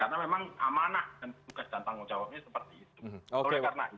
karena memang amanah dan tugas dan tanggung jawabnya seperti itu